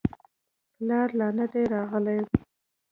پلار لا نه دی راغلی.